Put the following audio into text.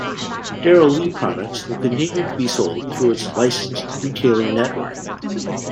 Darrell Lea products will continue to be sold through its licensed retailer network.